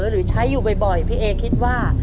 หรือใช้อยู่บ่อยพี่เอคิดว่า